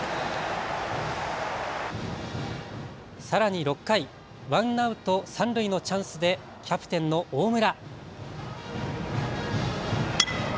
さらに６回、ワンアウト三塁のチャンスでキャプテンの大村。